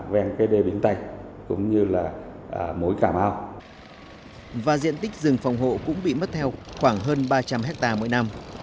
và diện tích rừng phòng hộ cũng bị mất theo khoảng hơn ba trăm linh hectare mỗi năm